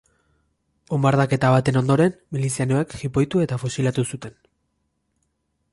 Bonbardaketa baten ondoren, milizianoek jipoitu eta fusilatu zuten.